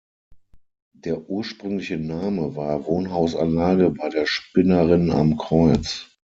Der ursprüngliche Name war "Wohnhausanlage bei der Spinnerin am Kreuz".